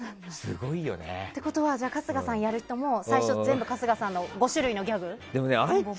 ってことは春日さんをやる人も最初、全部、春日さんの５種類のギャグを覚えて。